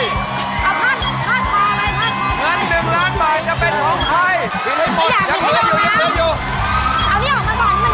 อย่างนี้อย่างนี้อยู่อยู่